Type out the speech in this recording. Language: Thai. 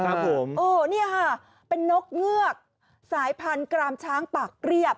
อันนี้ค่ะเป็นนกเงือกสายพันธุ์กรามช้างปากเรียบ